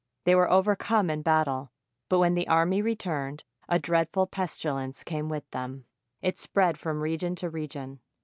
They were overcome in battle, but when the army re turned, a dreadful pestilence came with them. It spread from region to region.